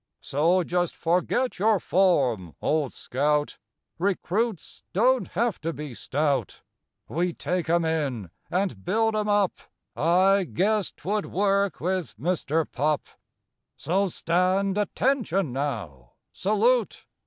So just forget your form, old scout; Recruits don't have to be stout; We take 'em in and build 'em up— I guess 'twould work with Mister Pup— So stand ATTENTION, now—Salute!